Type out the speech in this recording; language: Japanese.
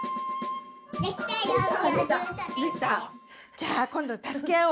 じゃあ今度助け合おう！